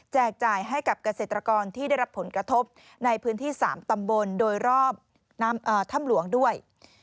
จ่ายให้กับเกษตรกรที่ได้รับผลกระทบในพื้นที่๓ตำบลโดยรอบถ้ำหลวงด้วย